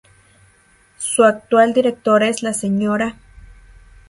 Su actual Directora es la Sra.